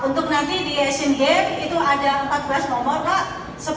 untuk nanti di asian games itu ada empat belas nomor pak